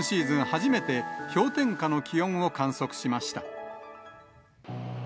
初めて、氷点下の気温を観測しました。